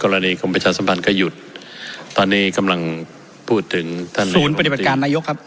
กรมประชาสัมพันธ์ก็หยุดตอนนี้กำลังพูดถึงท่านศูนย์ปฏิบัติการนายกครับ